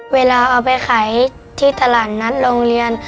เวลาเอาไปขายที่ตลาดนัดโรงเรียน